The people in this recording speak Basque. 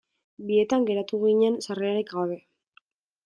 Bietan geratu ginen sarrerarik gabe.